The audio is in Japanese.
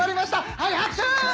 はい拍手！